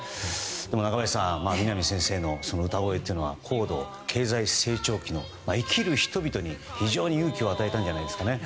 でも中林さん、三波先生の歌声というのは高度経済成長期の生きる人々に非常に勇気を与えたんじゃないでしょうかね。